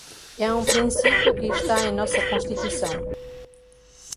é um princípio que está em nossa Constituição